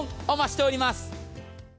お待ちしております！